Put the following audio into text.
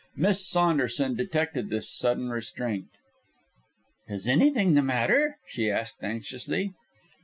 Miss Saunderson detected this sudden restraint. "Is anything the matter?" she asked anxiously.